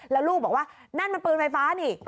แล้วลูกบอกว่านั่นมันปืนไฟฟ้านี่